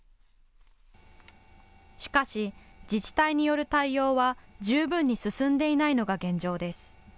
しかし、自治体による対応は十分に進んでいないのが現状です。